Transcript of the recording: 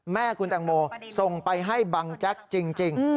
แม่คุณแตงโมส่งไปให้บังแจ๊กจริง